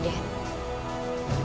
bukan aku yang akan menangkapmu